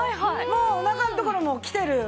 もうおなかのところもきてる。